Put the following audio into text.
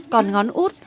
còn ngón út